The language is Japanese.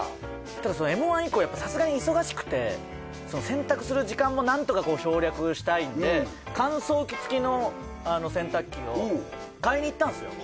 ただＭ−１以降やっぱさすがに忙しくてその洗濯する時間も何とか省略したいんで乾燥機付きの洗濯機を買いに行ったんすよ